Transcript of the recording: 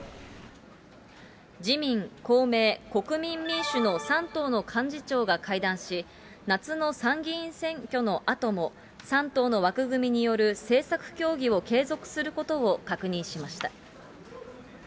自民、公明、国民民主の３党の幹事長が会談し、夏の参議院選挙のあとも３党の枠組みによる政策協議を継続することを確認しました。